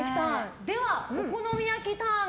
お好み焼きターン。